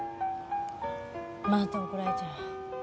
また怒られちゃう。